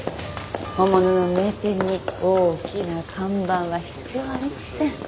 本物の名店に大きな看板は必要ありません。